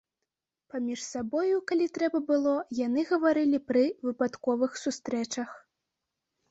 Паміж сабою, калі трэба было, яны гаварылі пры выпадковых сустрэчах.